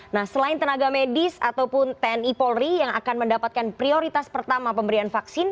nah selain tenaga medis ataupun tni polri yang akan mendapatkan prioritas pertama pemberian vaksin